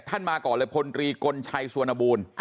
ท่านมาก่อนเลยพลตรีกลชัยสวนบูล